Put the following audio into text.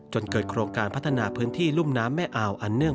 จนเกิดโครงการพัฒนาพื้นที่รุ่มน้ำแม่อาวอันเนื่อง